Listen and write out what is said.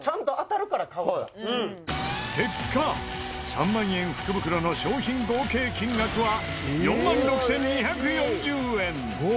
結果３万円福袋の商品合計金額は４万６２４０円。